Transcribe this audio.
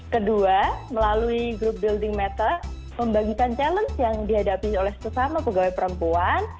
kedua melalui grup building matter membagikan challenge yang dihadapi oleh sesama pegawai perempuan